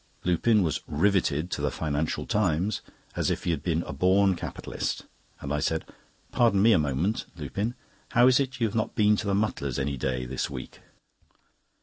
Lupin was riveted to the Financial News, as if he had been a born capitalist, and I said: "Pardon me a moment, Lupin, how is it you have not been to the Mutlars' any day this week?"